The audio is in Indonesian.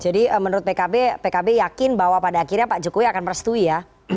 jadi menurut pkb pkb yakin bahwa pada akhirnya pak jokowi akan merestui ya